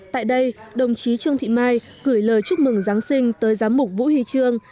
tại đây đồng chí trương thị mai gửi lời chúc mừng giáng sinh tới giám mục vũ huy trương